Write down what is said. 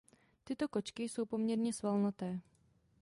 Tyto kočky jsou poměrně svalnaté.